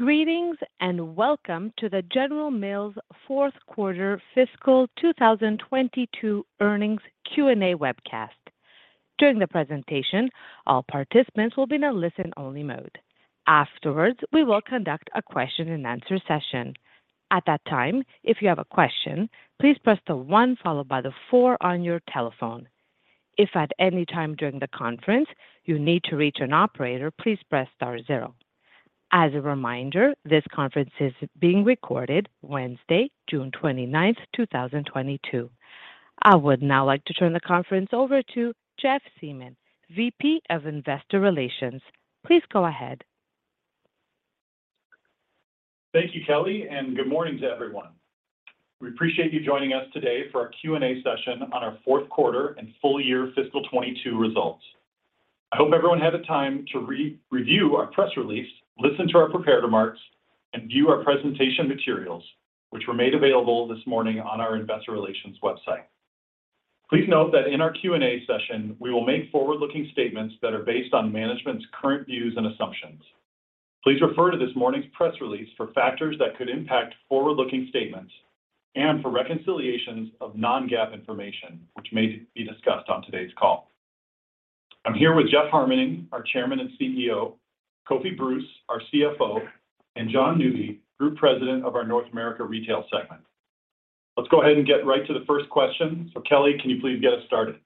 Greetings, and welcome to the General Mills fourth quarter fiscal 2022 earnings Q&A webcast. During the presentation, all participants will be in a listen-only mode. Afterwards, we will conduct a question-and-answer session. At that time, if you have a question, please press the one followed by the four on your telephone. If at any time during the conference you need to reach an operator, please press star zero. As a reminder, this conference is being recorded Wednesday, June 29, 2022. I would now like to turn the conference over to Jeff Siemon, VP of Investor Relations. Please go ahead. Thank you, Kelly, and good morning to everyone. We appreciate you joining us today for our Q&A session on our fourth quarter and full year fiscal 2022 results. I hope everyone had the time to re-review our press release, listen to our prepared remarks, and view our presentation materials which were made available this morning on our investor relations website. Please note that in our Q&A session we will make forward-looking statements that are based on management's current views and assumptions. Please refer to this morning's press release for factors that could impact forward-looking statements and for reconciliations of non-GAAP information which may be discussed on today's call. I'm here with Jeff Harmening, our Chairman and CEO, Kofi Bruce, our CFO, and Jon Nudi, Group President of our North America Retail segment. Let's go ahead and get right to the first question. Kelly, can you please get us started?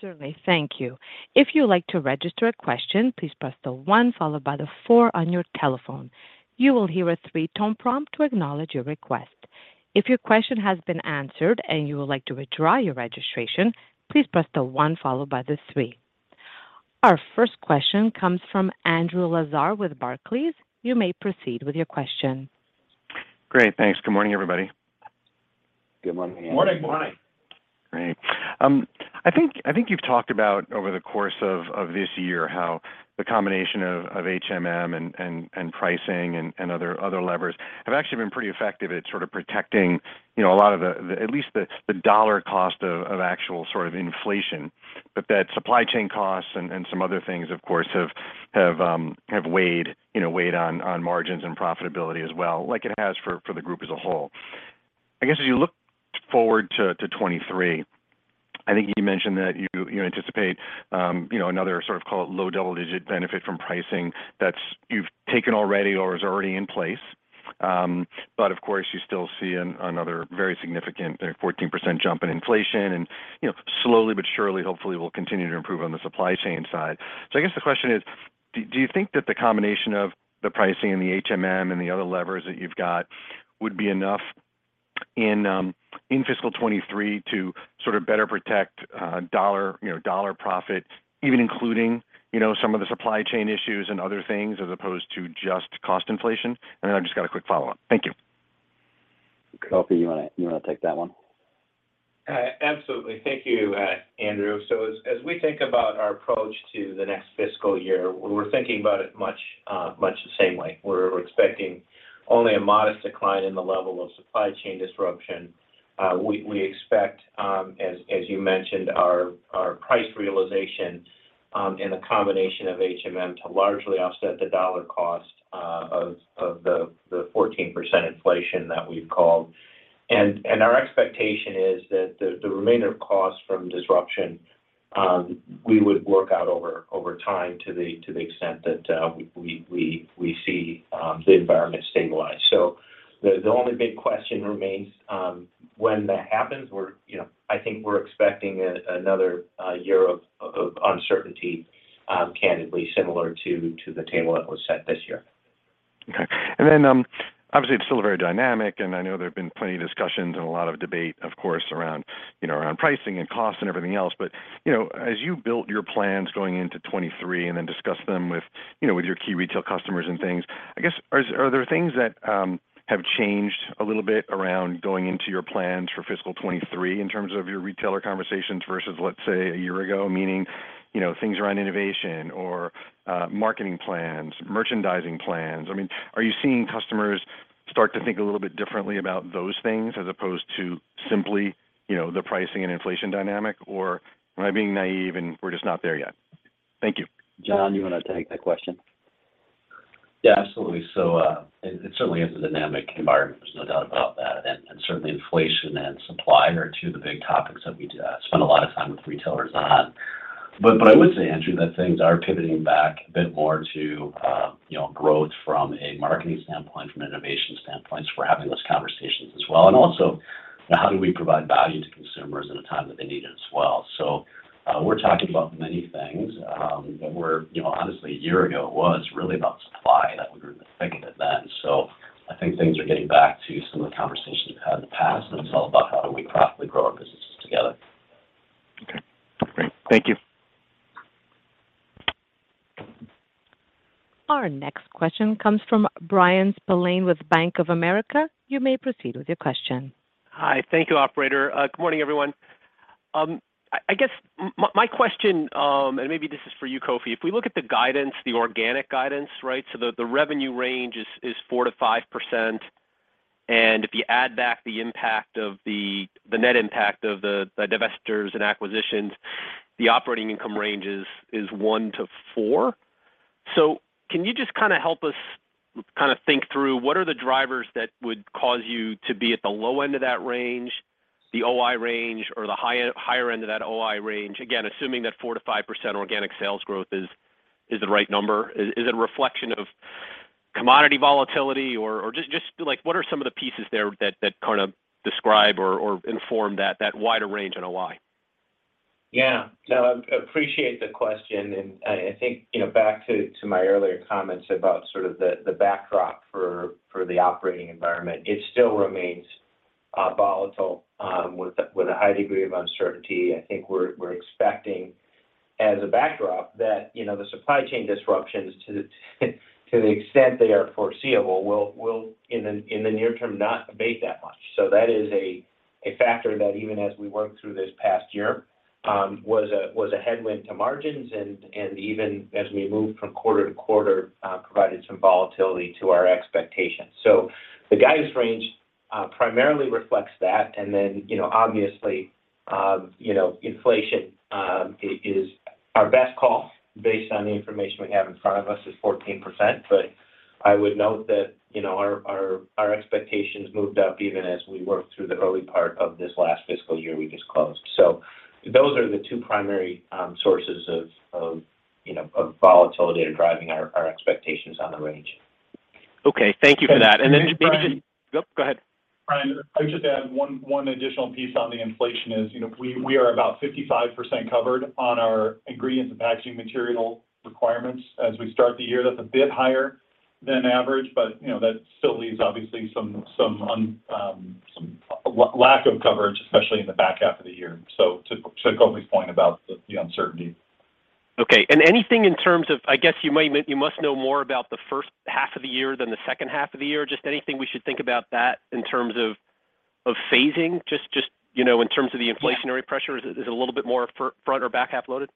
Certainly. Thank you. If you'd like to register a question, please press the one followed by the four on your telephone. You will hear a three-tone prompt to acknowledge your request. If your question has been answered and you would like to withdraw your registration, please press the one followed by the three. Our first question comes from Andrew Lazar with Barclays. You may proceed with your question. Great. Thanks. Good morning, everybody. Good morning, Andrew. Morning. Morning. Great. I think you've talked about over the course of this year how the combination of HMM and pricing and other levers have actually been pretty effective at sort of protecting, you know, a lot of the at least the dollar cost of actual sort of inflation, but that supply chain costs and some other things of course have weighed, you know, on margins and profitability as well, like it has for the group as a whole. I guess as you look forward to 2023, I think you mentioned that you anticipate, you know, another sort of call it low double-digit benefit from pricing that's you've taken already or is already in place. Of course you still see another very significant 14% jump in inflation and, you know, slowly but surely hopefully will continue to improve on the supply chain side. I guess the question is: Do you think that the combination of the pricing and the HMM and the other levers that you've got would be enough in fiscal 2023 to sort of better protect dollar, you know, dollar profit even including, you know, some of the supply chain issues and other things as opposed to just cost inflation? I've just got a quick follow-up. Thank you. Kofi, you wanna take that one? Absolutely. Thank you, Andrew. As we think about our approach to the next fiscal year, we're thinking about it much, much the same way. We're expecting only a modest decline in the level of supply chain disruption. We expect, as you mentioned, our price realization and the combination of HMM to largely offset the dollar cost of the 14% inflation that we've called. Our expectation is that the remainder of costs from disruption we would work out over time to the extent that we see the environment stabilize. The only big question remains, when that happens. We're, you know, I think we're expecting another year of uncertainty, candidly similar to the table that was set this year. Okay. Obviously it's still very dynamic, and I know there have been plenty of discussions and a lot of debate of course around, you know, around pricing and cost and everything else, but, you know, as you built your plans going into 2023 and then discussed them with, you know, with your key retail customers and things, I guess are there things that have changed a little bit around going into your plans for fiscal 2023 in terms of your retailer conversations versus, let's say, a year ago? Meaning, you know, things around innovation or marketing plans, merchandising plans. I mean, are you seeing customers start to think a little bit differently about those things as opposed to simply, you know, the pricing and inflation dynamic, or am I being naive and we're just not there yet? Thank you. Jon, you wanna take that question? Yeah, absolutely. So, it certainly is a dynamic environment. There's no doubt about that. Certainly inflation and supply are two of the big topics that we spend a lot of time with retailers on. I would say, Andrew, that things are pivoting back a bit more to, you know, growth from a marketing standpoint, from an innovation standpoint, so we're having those conversations as well. Also how do we provide value to consumers in a time that they need it as well. We're talking about many things that were, you know, honestly a year ago it was really about supply that we were thinking of then. I think things are getting back to some of the conversations we've had in the past, and it's all about how do we profitably grow our businesses together. Okay. Great. Thank you. Our next question comes from Bryan Spillane with Bank of America. You may proceed with your question. Hi. Thank you, operator. Good morning, everyone. I guess my question, and maybe this is for you, Kofi, if we look at the guidance, the organic guidance, right? The revenue range is 4%-5%. If you add back the impact of the net impact of the divestitures and acquisitions, the operating income range is 1%-4%. Can you just kind of help us kind of think through what are the drivers that would cause you to be at the low end of that range, the OI range, or the higher end of that OI range? Again, assuming that 4%-5% organic sales growth is the right number. Is it a reflection of commodity volatility or just like what are some of the pieces there that kind of describe or inform that wider range on OI? Yeah. No, I appreciate the question, and I think, you know, back to my earlier comments about sort of the backdrop for the operating environment, it still remains volatile with a high degree of uncertainty. I think we're expecting as a backdrop that, you know, the supply chain disruptions to the extent they are foreseeable will in the near term not abate that much. That is a factor that even as we work through this past year was a headwind to margins and even as we move from quarter to quarter provided some volatility to our expectations. The guidance range primarily reflects that. You know, obviously, you know, inflation is our best call based on the information we have in front of us is 14%. But I would note that, you know, our expectations moved up even as we worked through the early part of this last fiscal year we just closed. Those are the two primary sources of, you know, of volatility that are driving our expectations on the range. Okay. Thank you for that. Brian- Oh, go ahead. Bryan, I would just add one additional piece on the inflation is, you know, we are about 55% covered on our ingredients and packaging material requirements as we start the year. That's a bit higher than average, but, you know, that still leaves obviously some lack of coverage, especially in the back half of the year. To Kofi's point about the uncertainty. Okay. Anything in terms of, I guess you must know more about the first half of the year than the second half of the year. Just anything we should think about that in terms of phasing, just, you know, in terms of the inflationary pressure is a little bit more for front or back half loaded?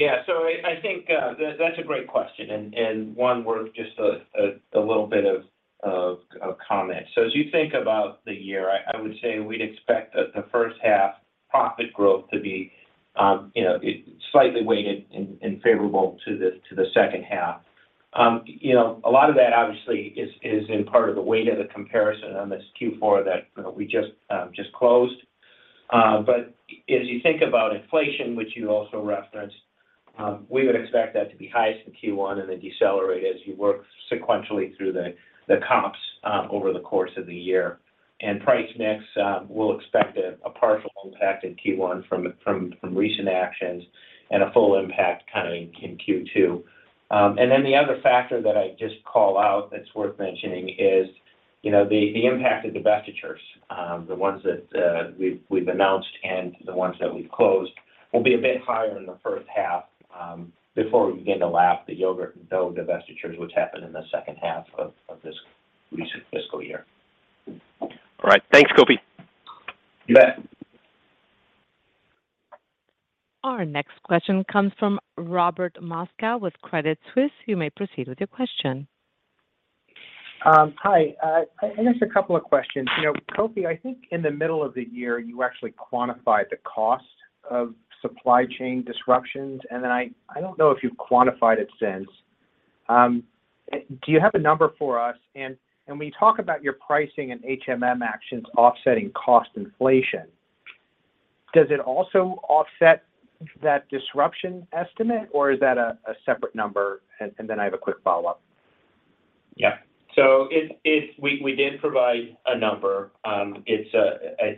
I think that's a great question and one worth just a little bit of comment. As you think about the year, I would say we'd expect the first half profit growth to be you know slightly weighted in favorable to the second half. You know, a lot of that obviously is in part of the weight of the comparison on this Q4 that you know we just closed. As you think about inflation, which you also referenced, we would expect that to be highest in Q1 and then decelerate as you work sequentially through the comps over the course of the year. Price mix, we'll expect a partial impact in Q1 from recent actions and a full impact kind of in Q2. Then the other factor that I just call out that's worth mentioning is, you know, the impact of divestitures. The ones that we've announced and the ones that we've closed will be a bit higher in the first half, before we begin to lap the yogurt and dough divestitures, which happened in the second half of this recent fiscal year. All right. Thanks, Kofi. You bet. Our next question comes from Robert Moskow with Credit Suisse. You may proceed with your question. Hi. I guess a couple of questions. You know, Kofi, I think in the middle of the year, you actually quantified the cost of supply chain disruptions, and then I don't know if you've quantified it since. Do you have a number for us? When you talk about your pricing and HMM actions offsetting cost inflation, does it also offset that disruption estimate, or is that a separate number? Then I have a quick follow-up. Yeah. We did provide a number. I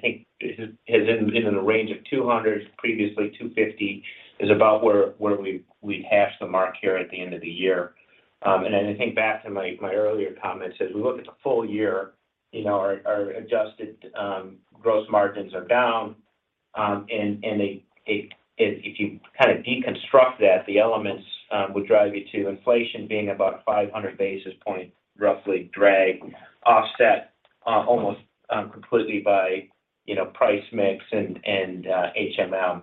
think it has been given a range of 200, previously 250 is about where we hit the mark here at the end of the year. I think back to my earlier comments, as we look at the full year, you know, our adjusted gross margins are down, and if you kind of deconstruct that, the elements would drive you to inflation being about 500 basis points, roughly drag offset almost completely by, you know, price mix and HMM.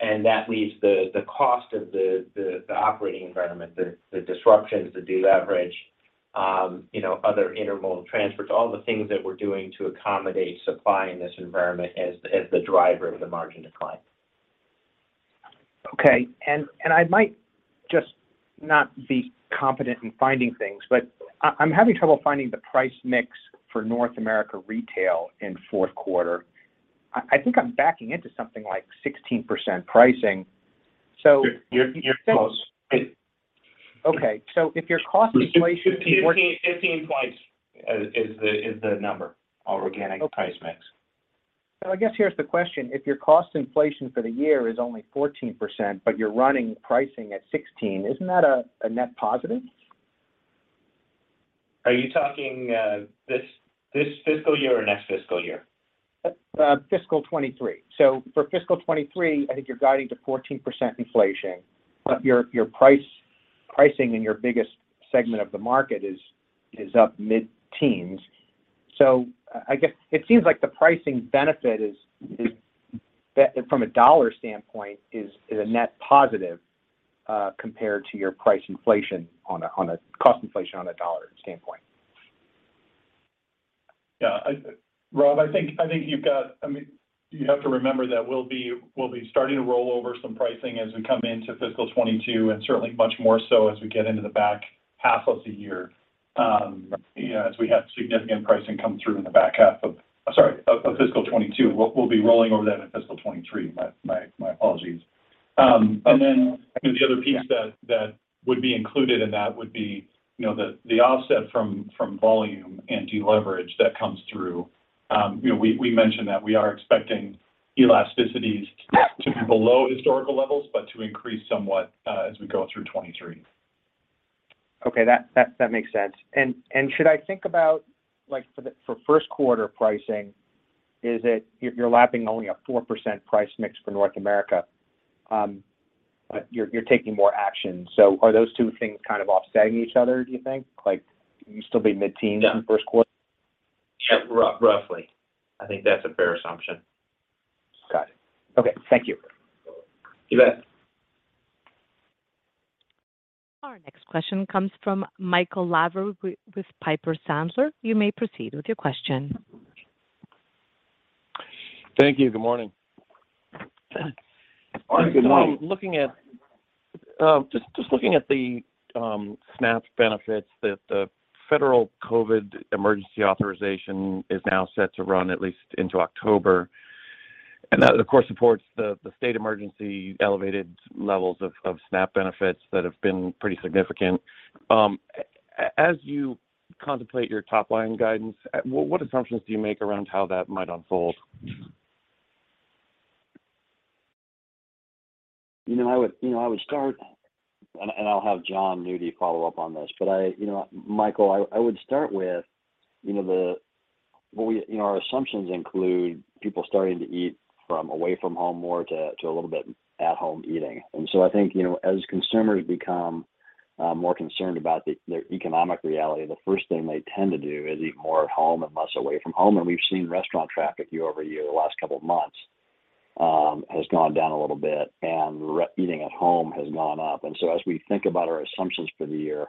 That leaves the cost of the operating environment, the disruptions, the de-leverage, you know, other intermodal transfers, all the things that we're doing to accommodate supply in this environment as the driver of the margin decline. Okay. I might just not be competent in finding things, but I'm having trouble finding the price mix for North America Retail in fourth quarter. I think I'm backing into something like 16% pricing. You're close. Okay. If your cost inflation. 15 points is the number of organic price mix. I guess here's the question. If your cost inflation for the year is only 14%, but you're running pricing at 16%, isn't that a net positive? Are you talking this fiscal year or next fiscal year? fiscal 2023. For fiscal 2023, I think you're guiding to 14% inflation, but your pricing in your biggest segment of the market is up mid-teens. I guess it seems like the pricing benefit is That from a dollar standpoint is a net positive, compared to your price inflation on a cost inflation on a dollar standpoint. Yeah. I, Rob, I think you've got. I mean, you have to remember that we'll be starting to roll over some pricing as we come into fiscal 2022, and certainly much more so as we get into the back half of the year, you know, as we have significant pricing come through in the back half of fiscal 2022. We'll be rolling over that in fiscal 2023. My apologies. The other piece that would be included in that would be, you know, the offset from volume and deleverage that comes through. You know, we mentioned that we are expecting elasticities to be below historical levels, but to increase somewhat, as we go through 2023. Okay. That makes sense. Should I think about, like, for the first quarter pricing, is it you're lapping only a 4% price mix for North America, but you're taking more action. Are those two things kind of offsetting each other, do you think? Like, you still be mid-teen- Yeah In first quarter? Yeah. Roughly. I think that's a fair assumption. Got it. Okay. Thank you. You bet. Our next question comes from Michael Lavery with Piper Sandler. You may proceed with your question. Thank you. Good morning. Morning. Good morning. Just looking at the SNAP benefits that the federal COVID emergency authorization is now set to run at least into October, and that of course supports the state emergency elevated levels of SNAP benefits that have been pretty significant. As you contemplate your top line guidance, what assumptions do you make around how that might unfold? You know, I would start, and I'll have Jon Nudi follow up on this. Michael, I would start with what our assumptions include people starting to eat less away from home more to a little bit at-home eating. I think, you know, as consumers become more concerned about their economic reality, the first thing they tend to do is eat more at home and less away from home. We've seen restaurant traffic year-over-year the last couple of months has gone down a little bit, and eating at home has gone up. As we think about our assumptions for the year,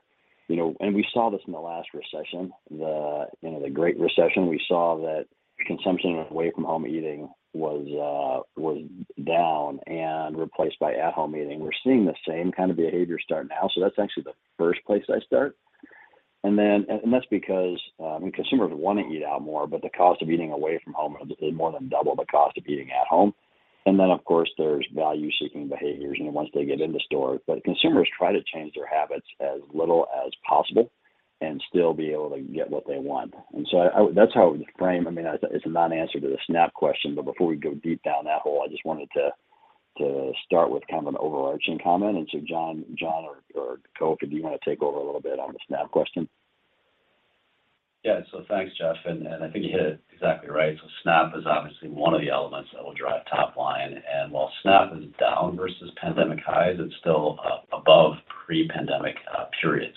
you know, and we saw this in the last recession, you know, the great recession, we saw that consumption away from home eating was down and replaced by at home eating. We're seeing the same kind of behavior start now, that's actually the first place I start. That's because, I mean, consumers wanna eat out more, but the cost of eating away from home is more than double the cost of eating at home. Of course, there's value seeking behaviors, you know, once they get in the store. Consumers try to change their habits as little as possible and still be able to get what they want. I would. That's how I would frame. I mean, it's a non-answer to the SNAP question, but before we go deep down that hole, I just wanted to start with kind of an overarching comment. Jon or Kofi, do you wanna take over a little bit on the SNAP question? Yeah. Thanks, Jeff, and I think you hit it exactly right. SNAP is obviously one of the elements that will drive top line. While SNAP is down versus pandemic highs, it's still above pre-pandemic periods.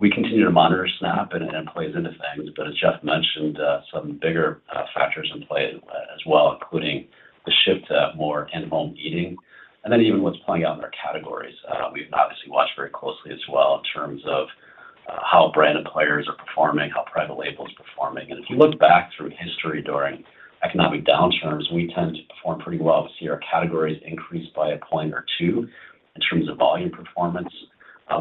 We continue to monitor SNAP and it plays into things. As Jeff mentioned, some bigger factors in play as well, including the shift to more in-home eating and then even what's playing out in their categories. We've obviously watched very closely as well in terms of how brand employers are performing, how private label is performing. If you look back through history during economic downturns, we tend to perform pretty well to see our categories increase by a point or two in terms of volume performance.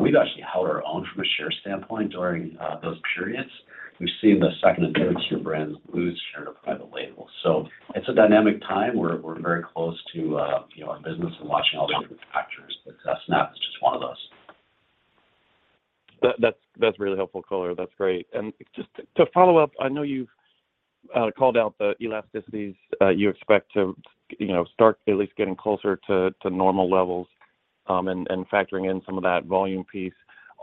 We've actually held our own from a share standpoint during those periods. We've seen the second and third tier brands lose share to private labels. It's a dynamic time. We're very close to, you know, our business and watching all the different factors, but SNAP is just one of those. That's really helpful color. That's great. Just to follow up, I know you've called out the elasticities you expect to start at least getting closer to normal levels, and factoring in some of that volume piece.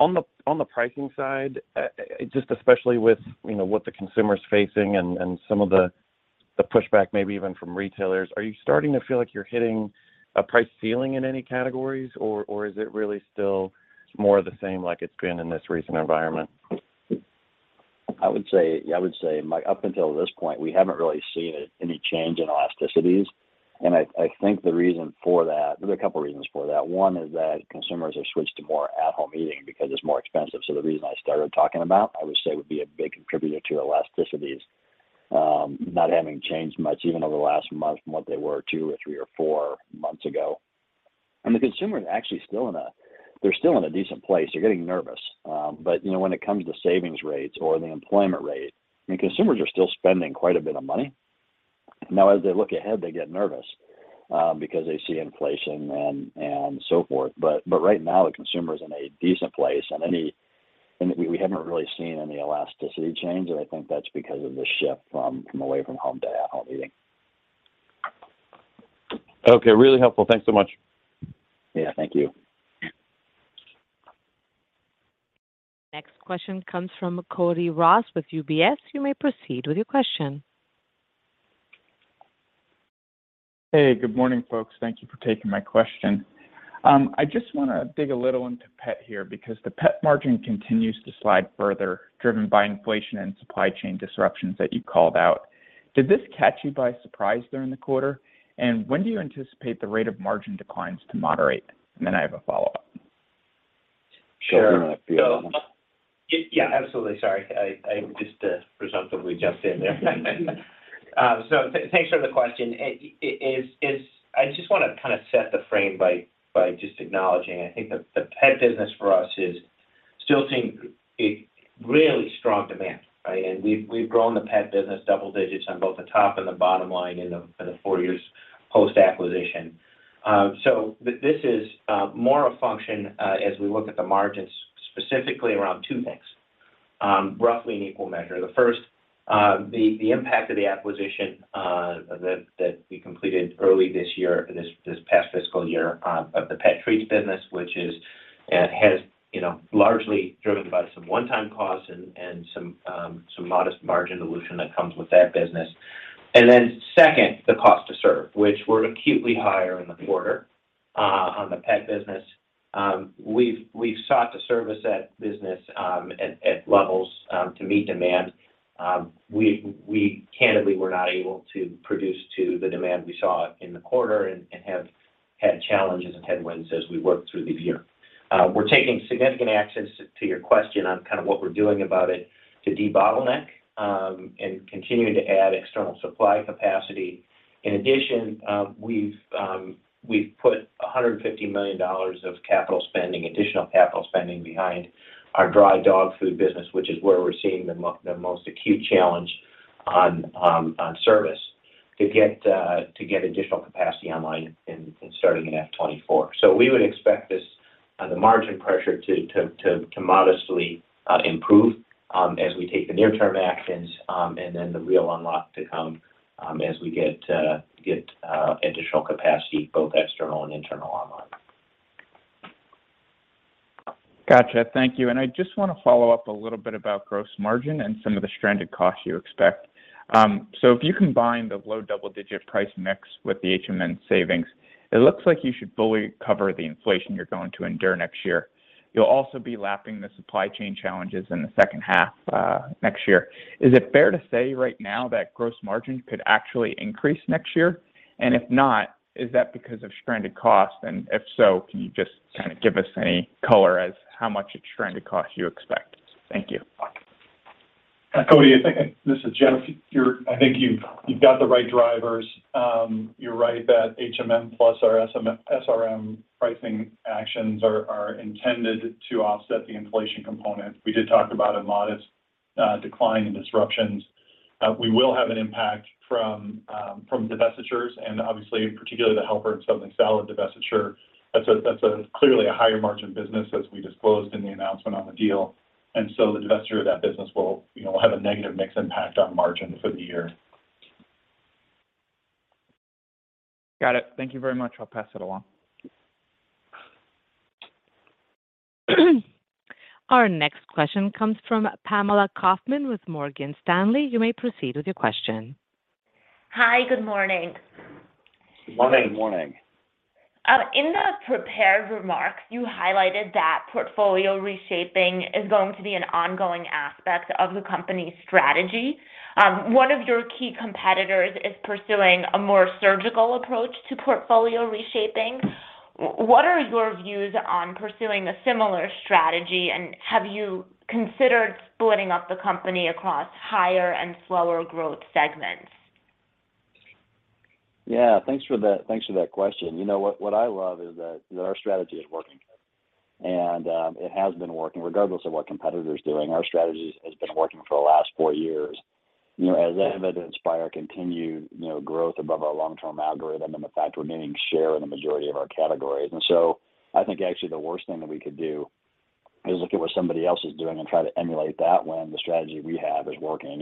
On the pricing side, just especially with what the consumer's facing and some of the pushback maybe even from retailers, are you starting to feel like you're hitting a price ceiling in any categories, or is it really still more of the same like it's been in this recent environment? I would say, like, up until this point, we haven't really seen any change in elasticities. I think the reason for that. There's a couple reasons for that. One is that consumers have switched to more at home eating because it's more expensive. The reason I started talking about would be a big contributor to elasticities not having changed much even over the last month from what they were two or three or four months ago. The consumer is actually still in a decent place. They're getting nervous. You know, when it comes to savings rates or the employment rate, I mean, consumers are still spending quite a bit of money. Now, as they look ahead, they get nervous because they see inflation and so forth. Right now the consumer is in a decent place, and we haven't really seen any elasticity change, and I think that's because of the shift from away from home to at home eating. Okay. Really helpful. Thanks so much. Yeah. Thank you. Next question comes from Cody Ross with UBS. You may proceed with your question. Hey, good morning, folks. Thank you for taking my question. I just wanna dig a little into pet here because the pet margin continues to slide further, driven by inflation and supply chain disruptions that you called out. Did this catch you by surprise during the quarter? And when do you anticipate the rate of margin declines to moderate? And then I have a follow-up. Sure. Yeah, absolutely. Sorry, I just presumptively jumped in there. Thanks for the question. It is. I just wanna kinda set the frame by just acknowledging, I think the pet business for us is still seeing a really strong demand, right? We've grown the pet business double digits on both the top and the bottom line in the four years post-acquisition. This is more a function as we look at the margins specifically around two things, roughly in equal measure. The first, the impact of the acquisition that we completed early this year, in this past fiscal year, of the pet treats business, which has, you know, largely driven by some one-time costs and some modest margin dilution that comes with that business. Second, the cost to serve, which were acutely higher in the quarter on the pet business. We've sought to service that business at levels to meet demand. We candidly were not able to produce to the demand we saw in the quarter and have had challenges and headwinds as we work through the year. We're taking significant actions to your question on kind of what we're doing about it to de-bottleneck and continue to add external supply capacity. In addition, we've put $150 million of capital spending, additional capital spending behind our dry dog food business, which is where we're seeing the most acute challenge on service to get additional capacity online and starting in FY 2024. We would expect this the margin pressure to modestly improve as we take the near-term actions and then the real unlock to come as we get additional capacity, both external and internal online. Gotcha. Thank you. I just wanna follow up a little bit about gross margin and some of the stranded costs you expect. So if you combine the low double-digit price mix with the HMM savings, it looks like you should fully cover the inflation you're going to endure next year. You'll also be lapping the supply chain challenges in the second half next year. Is it fair to say right now that gross margin could actually increase next year? And if not, is that because of stranded costs? And if so, can you just kinda give us any color on how much stranded cost you expect? Thank you. Cody, this is Jeff. You're I think you've got the right drivers. You're right that HMM plus our SRM pricing actions are intended to offset the inflation component. We did talk about a modest decline in disruptions. We will have an impact from divestitures, and obviously, particularly the Helper and Suddenly Salad divestiture. That's clearly a higher margin business as we disclosed in the announcement on the deal. The divestiture of that business will, you know, have a negative mix impact on margin for the year. Got it. Thank you very much. I'll pass it along. Our next question comes from Pamela Kaufman with Morgan Stanley. You may proceed with your question. Hi, good morning. Morning. Good morning. In the prepared remarks, you highlighted that portfolio reshaping is going to be an ongoing aspect of the company's strategy. One of your key competitors is pursuing a more surgical approach to portfolio reshaping. What are your views on pursuing a similar strategy, and have you considered splitting up the company across higher and slower growth segments? Yeah. Thanks for that question. You know what I love is that our strategy is working. It has been working regardless of what competitors are doing. Our strategy has been working for the last four years, you know, as evidenced by our continued, you know, growth above our long-term algorithm and the fact we're gaining share in the majority of our categories. I think actually the worst thing that we could do is look at what somebody else is doing and try to emulate that when the strategy we have is working.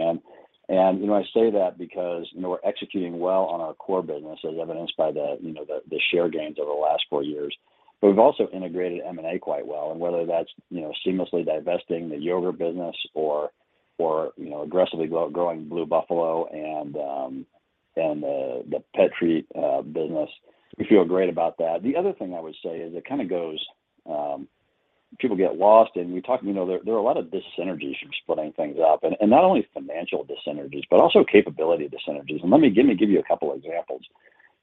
You know, I say that because, you know, we're executing well on our core business as evidenced by the, you know, the share gains over the last four years. We've also integrated M&A quite well, and whether that's, you know, seamlessly divesting the yogurt business or, you know, aggressively growing Blue Buffalo and the pet treat business, we feel great about that. The other thing I would say is it kinda goes people get lost, and we talk, you know, there are a lot of dyssynergies from splitting things up, and not only financial dyssynergies, but also capability dyssynergies. Let me give you a couple examples.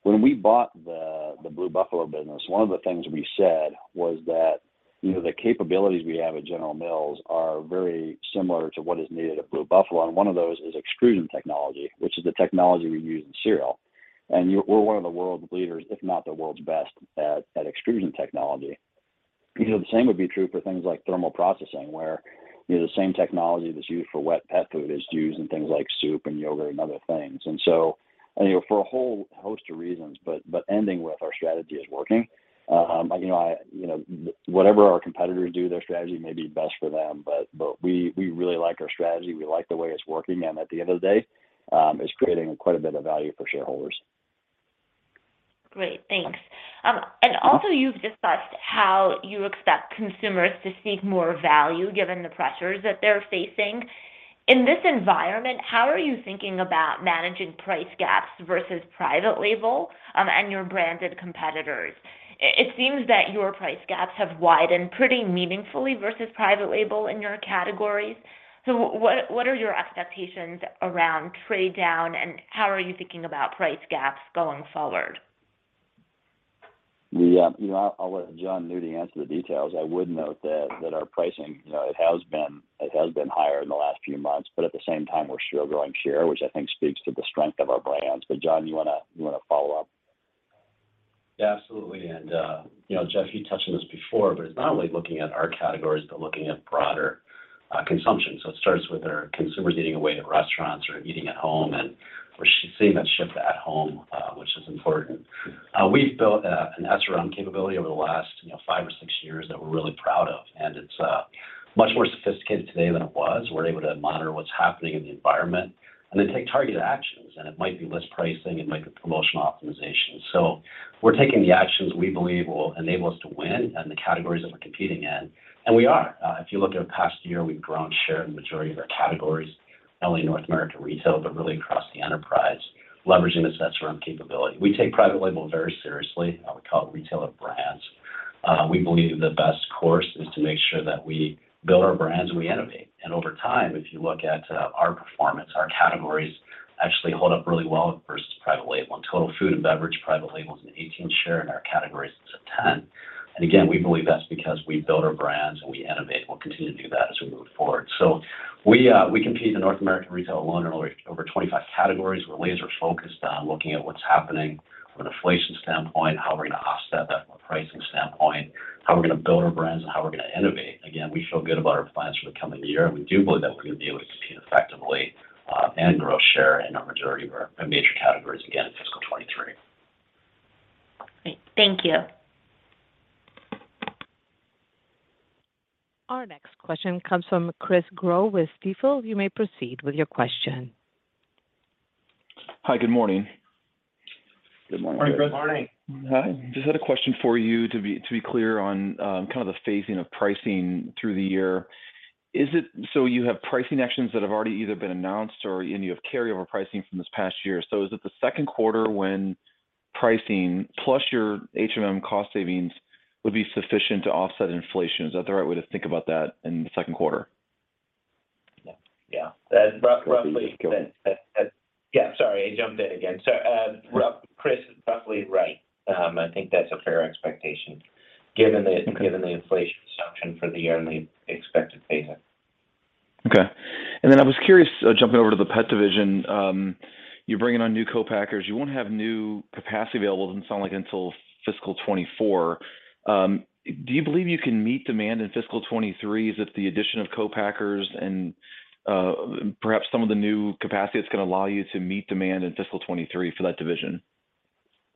When we bought the Blue Buffalo business, one of the things we said was that, you know, the capabilities we have at General Mills are very similar to what is needed at Blue Buffalo, and one of those is extrusion technology, which is the technology we use in cereal. We're one of the world's leaders, if not the world's best at extrusion technology. You know, the same would be true for things like thermal processing, where, you know, the same technology that's used for wet pet food is used in things like soup and yogurt and other things. You know, for a whole host of reasons, but ending with our strategy is working. You know, whatever our competitors do, their strategy may be best for them, but we really like our strategy. We like the way it's working. At the end of the day, it's creating quite a bit of value for shareholders. Great. Thanks. Also, you've discussed how you expect consumers to seek more value given the pressures that they're facing. In this environment, how are you thinking about managing price gaps versus private label, and your branded competitors? It seems that your price gaps have widened pretty meaningfully versus private label in your categories. What are your expectations around trade down, and how are you thinking about price gaps going forward? Yeah. You know, I'll let Jon do the answer to the details. I would note that our pricing, you know, it has been higher in the last few months, but at the same time, we're still growing share, which I think speaks to the strength of our brands. But Jon, you wanna follow up? Yeah, absolutely. You know, Jeff, you touched on this before, but it's not only looking at our categories, but looking at broader consumption. It starts with our consumers eating away at restaurants or eating at home, and we're seeing that shift at home, which is important. We've built an SRM capability over the last, you know, five or six years that we're really proud of, and it's much more sophisticated today than it was. We're able to monitor what's happening in the environment and then take targeted actions, and it might be list pricing, it might be promotional optimization. We're taking the actions we believe will enable us to win in the categories that we're competing in, and we are. If you look at the past year, we've grown share in the majority of our categories, not only in North America Retail, but really across the enterprise, leveraging the SRM capability. We take private label very seriously. I would call it retailer brands. We believe the best course is to make sure that we build our brands and we innovate. Over time, if you look at our performance, our categories actually hold up really well versus private label. In total food and beverage, private label is an 18% share, in our categories it's a 10. We believe that's because we build our brands and we innovate, and we'll continue to do that as we move forward. We compete in North America Retail alone in over 25 categories. We're laser focused on looking at what's happening from an inflation standpoint, how we're gonna offset that from a pricing standpoint, how we're gonna build our brands, and how we're gonna innovate. We feel good about our plans for the coming year, and we do believe that we're gonna be able to compete effectively, and grow share in a majority of our major categories again in fiscal 2023. Great. Thank you. Our next question comes from Chris Growe with Stifel. You may proceed with your question. Hi, good morning. Good morning. Morning, Chris. Hi. Just had a question for you to be clear on kind of the phasing of pricing through the year. Is it so you have pricing actions that have already been announced, and you have carryover pricing from this past year. Is it the second quarter when pricing plus your HMM cost savings would be sufficient to offset inflation? Is that the right way to think about that in the second quarter? Yeah. That's roughly right. Sorry, I jumped in again. Chris, roughly right. I think that's a fair expectation given the inflation assumption for the yearly expected phasing. Okay. I was curious, jumping over to the pet division, you're bringing on new co-packers. You won't have new capacity available, doesn't sound like, until fiscal 2024. Do you believe you can meet demand in fiscal 2023? Is it the addition of co-packers and, perhaps some of the new capacity that's gonna allow you to meet demand in fiscal 2023 for that division?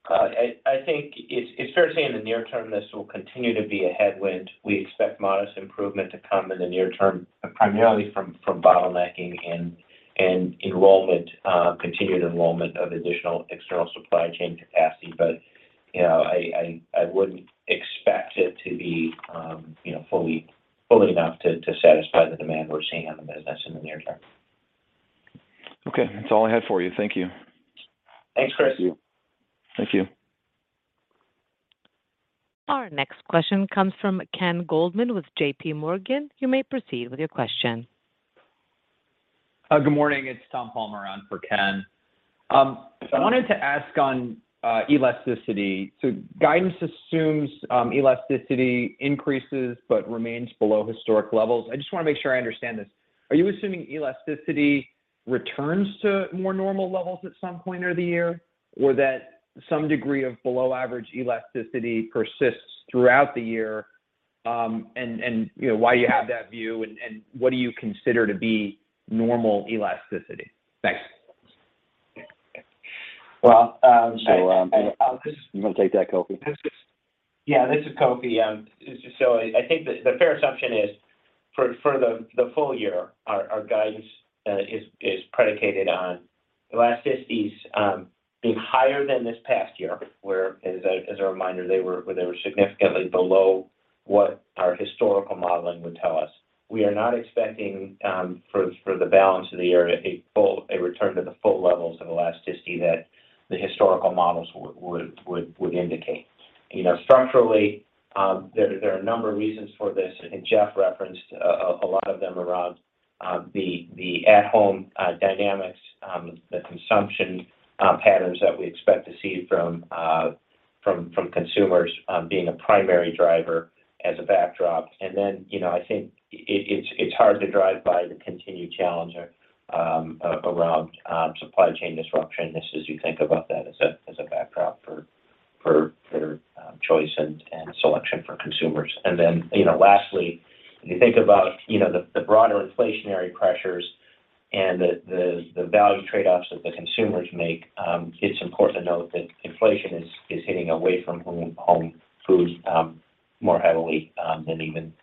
I think it's fair to say in the near term, this will continue to be a headwind. We expect modest improvement to come in the near term, primarily from bottlenecking and enrollment, continued enrollment of additional external supply chain capacity. You know, I wouldn't expect it to be, you know, fully enough to satisfy the demand we're seeing on the business in the near term. Okay. That's all I had for you. Thank you. Thanks, Chris. Thank you. Thank you. Our next question comes from Ken Goldman with JPMorgan. You may proceed with your question. Good morning, it's Thomas Palmer on for Ken. I wanted to ask on elasticity. Guidance assumes elasticity increases but remains below historic levels. I just wanna make sure I understand this. Are you assuming elasticity returns to more normal levels at some point or the year, or that some degree of below average elasticity persists throughout the year, and you know, why you have that view and what do you consider to be normal elasticity? Thanks. Well, You wanna take that, Kofi? This is. Yeah, this is Kofi. So I think the fair assumption is for the full year, our guidance is predicated on elasticities being higher than this past year where, as a reminder, they were significantly below what our historical modeling would tell us. We are not expecting for the balance of the year a full return to the full levels of elasticity that the historical models would indicate. You know, structurally, there are a number of reasons for this, and Jeff referenced a lot of them around the at-home dynamics, the consumption patterns that we expect to see from consumers being a primary driver as a backdrop. You know, I think it's hard to drive by the continued challenge around supply chain disruption. You think about that as a backdrop for better choice and selection for consumers. You know, lastly, when you think about you know the broader inflationary pressures and the value trade-offs that the consumers make, it's important to note that inflation is hitting away-from-home foods more heavily than even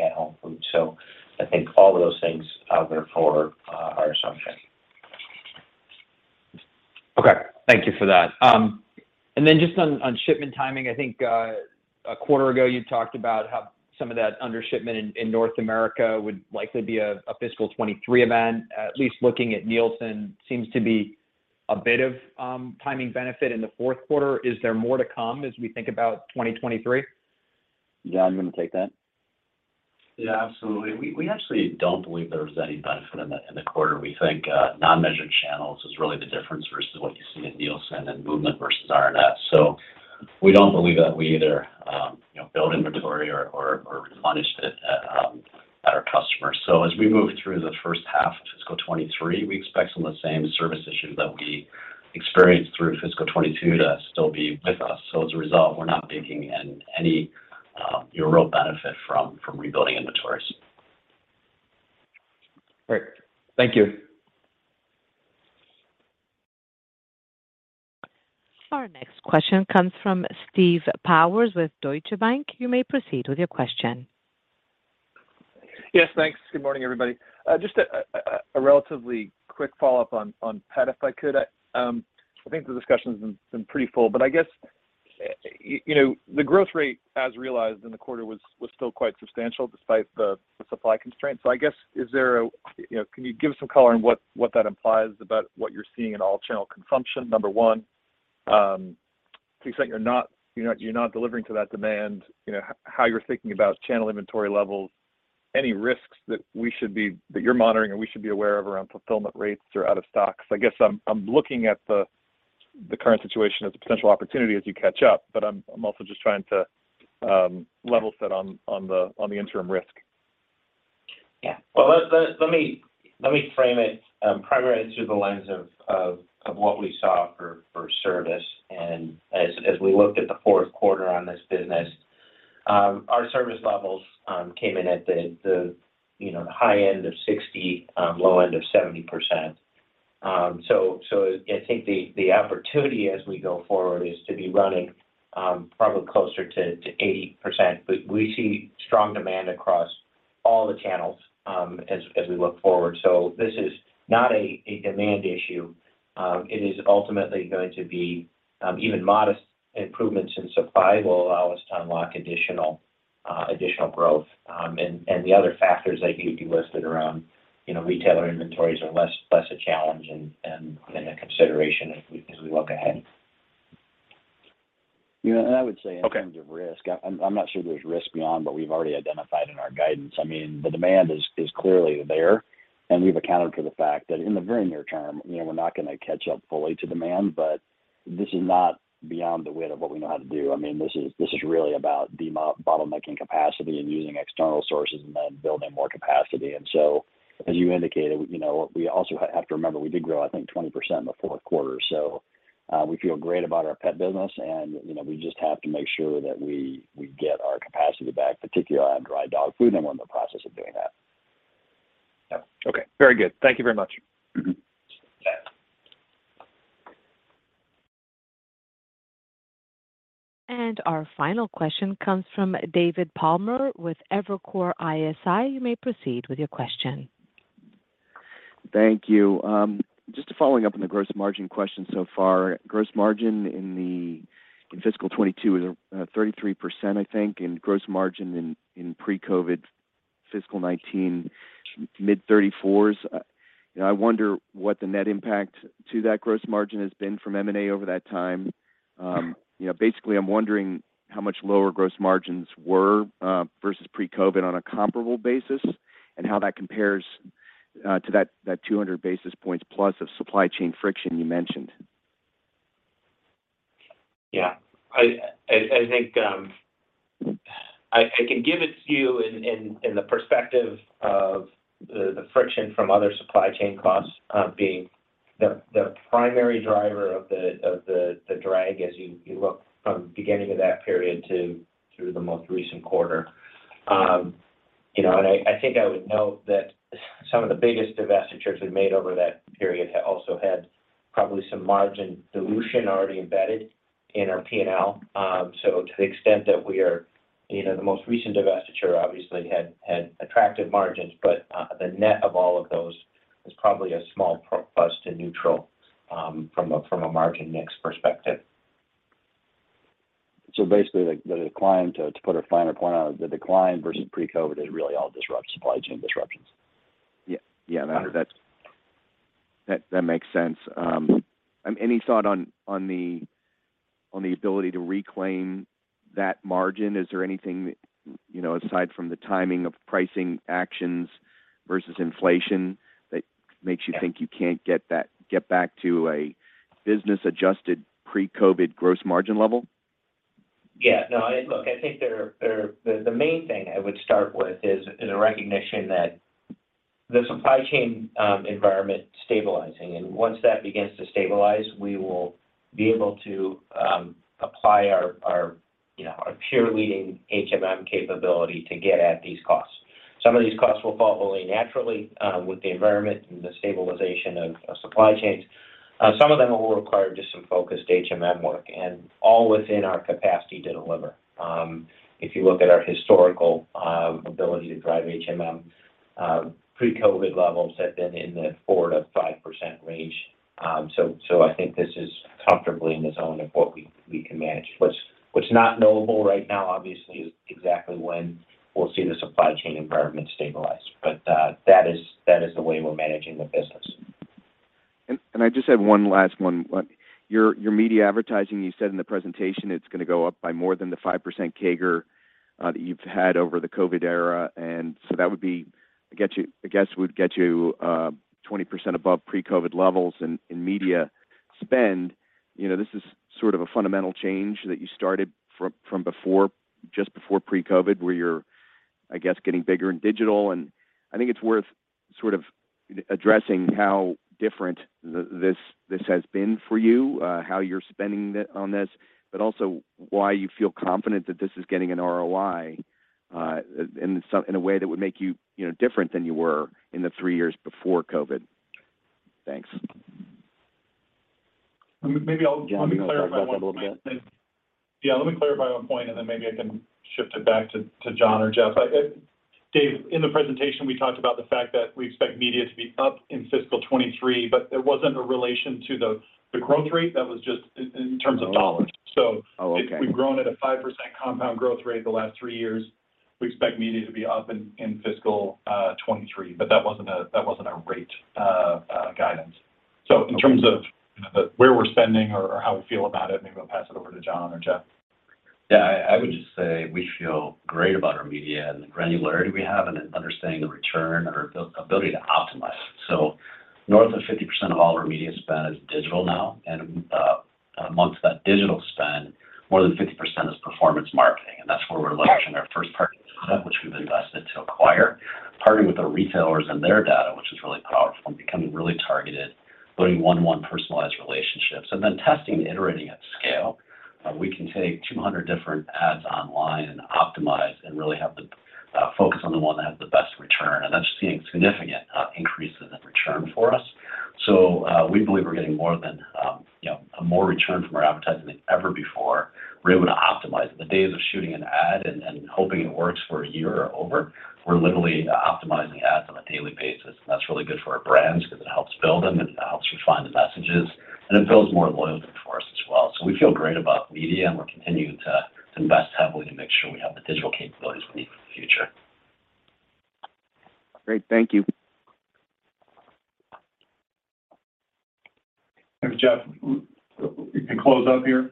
at-home foods. I think all of those things are there for our assumption. Okay. Thank you for that. Just on shipment timing, I think a quarter ago you talked about how some of that under shipment in North America would likely be a fiscal 2023 event. At least looking at Nielsen seems to be a bit of timing benefit in the fourth quarter. Is there more to come as we think about 2023? Jon, you want to take that? Yeah, absolutely. We actually don't believe there was any benefit in the quarter. We think non-measured channels is really the difference versus what you see in Nielsen and movement versus RNS. We don't believe that we either built inventory or replenished it at our customers. As we move through the first half of fiscal 2023, we expect some of the same service issues that we experienced through fiscal 2022 to still be with us. As a result, we're not baking in any real benefit from rebuilding inventories. Great. Thank you. Our next question comes from Steve Powers with Deutsche Bank. You may proceed with your question. Yes, thanks. Good morning, everybody. Just a relatively quick follow-up on pet, if I could. I think the discussion's been pretty full, but I guess, you know, the growth rate as realized in the quarter was still quite substantial despite the supply constraints. I guess you know, can you give some color on what that implies about what you're seeing in all channel consumption, number one? To the extent you're not delivering to that demand, you know, how you're thinking about channel inventory levels, any risks that you're monitoring or we should be aware of around fulfillment rates or out of stocks? I guess I'm looking at the current situation as a potential opportunity as you catch up, but I'm also just trying to level set on the interim risk. Yeah. Well, let me frame it primarily through the lens of what we saw for service. As we looked at the fourth quarter on this business, our service levels came in at the high end of 60, low end of 70%. I think the opportunity as we go forward is to be running probably closer to 80%. We see strong demand across all the channels as we look forward. This is not a demand issue. It is ultimately going to be even modest improvements in supply will allow us to unlock additional growth. The other factors I gave you listed around, you know, retailer inventories are less a challenge and a consideration as we look ahead. You know, I would say in terms of risk. Okay I'm not sure there's risk beyond what we've already identified in our guidance. I mean, the demand is clearly there, and we've accounted for the fact that in the very near term, you know, we're not gonna catch up fully to demand, but this is not beyond the wit of what we know how to do. I mean, this is really about de-bottlenecking capacity and using external sources and then building more capacity. As you indicated, you know, we also have to remember we did grow, I think, 20% in the fourth quarter. We feel great about our pet business and, you know, we just have to make sure that we get our capacity back, particularly on dry dog food, and we're in the process of doing that. Yeah. Okay. Very good. Thank you very much. Yeah. Our final question comes from David Palmer with Evercore ISI. You may proceed with your question. Thank you. Just following up on the gross margin question so far. Gross margin in the, in fiscal 2022 is 33%, I think, and gross margin in pre-COVID fiscal 2019, mid-34s. You know, I wonder what the net impact to that gross margin has been from M&A over that time. You know, basically I'm wondering how much lower gross margins were versus pre-COVID on a comparable basis, and how that compares to that 200 basis points plus of supply chain friction you mentioned. Yeah. I think I can give it to you in the perspective of the inflation from other supply chain costs being the primary driver of the drag as you look from beginning of that period to through the most recent quarter. You know, I think I would note that some of the biggest divestitures we've made over that period also had probably some margin dilution already embedded in our P&L. To the extent that we are, you know, the most recent divestiture obviously had attractive margins, but the net of all of those is probably a small plus to neutral from a margin mix perspective. Basically, the decline, to put a finer point on it, the decline versus pre-COVID is really all supply chain disruptions. Yeah, no, that makes sense. Any thought on the ability to reclaim that margin? Is there anything that, you know, aside from the timing of pricing actions versus inflation that makes you think you can't get back to a business-adjusted pre-COVID gross margin level? Yeah, no. Look, I think the main thing I would start with is a recognition that the supply chain environment stabilizing. Once that begins to stabilize, we will be able to apply our you know our peer-leading HMM capability to get at these costs. Some of these costs will fall fully naturally with the environment and the stabilization of supply chains. Some of them will require just some focused HMM work and all within our capacity to deliver. If you look at our historical ability to drive HMM, pre-COVID levels have been in the 4%-5% range. I think this is comfortably in the zone of what we can manage. What's not knowable right now, obviously, is exactly when we'll see the supply chain environment stabilize. That is the way we're managing the business. I just have one last one. Like, your media advertising, you said in the presentation it's gonna go up by more than the 5% CAGR that you've had over the COVID era. That would get you, I guess, 20% above pre-COVID levels in media spend. You know, this is sort of a fundamental change that you started from before, just before pre-COVID, where you're, I guess, getting bigger in digital. I think it's worth sort of addressing how different this has been for you, how you're spending on this. Also why you feel confident that this is getting an ROI in some way that would make you know, different than you were in the three years before COVID. Thanks. Maybe I'll- Yeah, maybe I'll talk about that a little bit. Yeah, let me clarify one point, and then maybe I can shift it back to Jon or Jeff. David, in the presentation, we talked about the fact that we expect media to be up in fiscal 2023, but it wasn't in relation to the growth rate. That was just in terms of dollars. Oh, okay. We've grown at a 5% compound growth rate the last three years. We expect media to be up in fiscal 2023, but that wasn't a rate guidance. In terms of where we're spending or how we feel about it, maybe I'll pass it over to John or Jeff. Yeah, I would just say we feel great about our media and the granularity we have in understanding the return or the ability to optimize. North of 50% of all our media spend is digital now. Among that digital spend, more than 50% is performance marketing, and that's where we're leveraging our first party data, which we've invested to acquire, partnering with our retailers and their data, which is really powerful and becoming really targeted, building one-on-one personalized relationships, and then testing and iterating at scale. We can take 200 different ads online and optimize and really have the focus on the one that has the best return. That's seeing significant increases in return for us. We believe we're getting more than you know, more return from our advertising than ever before. We're able to optimize. The days of shooting an ad and hoping it works for a year or more, we're literally optimizing ads on a daily basis. That's really good for our brands because it helps build them, it helps refine the messages, and it builds more loyalty for us as well. We feel great about media, and we're continuing to invest heavily to make sure we have the digital capabilities we need for the future. Great. Thank you. Thanks, Jeff. We can close up here.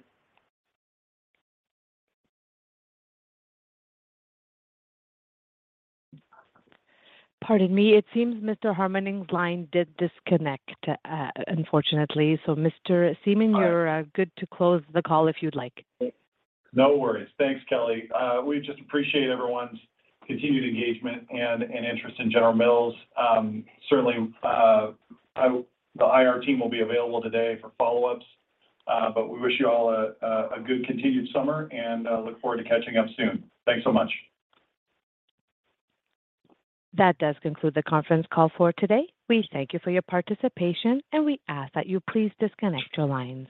Pardon me. It seems Mr. Harmening's line did disconnect, unfortunately. Mr. Siemon, you're good to close the call if you'd like. No worries. Thanks, Kelly. We just appreciate everyone's continued engagement and interest in General Mills. Certainly, the IR team will be available today for follow-ups, but we wish you all a good continued summer and look forward to catching up soon. Thanks so much. That does conclude the conference call for today. We thank you for your participation, and we ask that you please disconnect your lines.